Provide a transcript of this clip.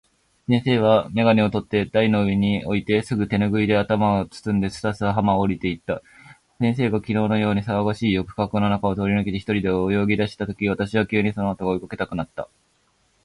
先生は眼鏡をとって台の上に置いて、すぐ手拭（てぬぐい）で頭を包んで、すたすた浜を下りて行った。先生が昨日（きのう）のように騒がしい浴客（よくかく）の中を通り抜けて、一人で泳ぎ出した時、私は急にその後（あと）が追い掛けたくなった。